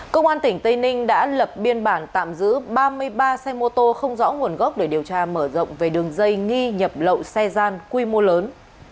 công an tỉnh tây ninh đã lập biên bản tạm giữ ba mươi ba xe mô tô không rõ nguồn gốc để điều tra mở rộng về đường dây nghi nhập lậu xe gian quy mô lớn